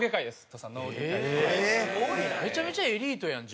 めちゃめちゃエリートやん。